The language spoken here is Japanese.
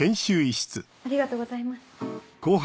ありがとうございます。